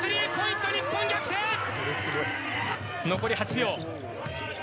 残り８秒。